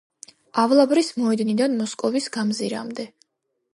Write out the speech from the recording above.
ავლაბრის მოედნიდან მოსკოვის გამზირამდე.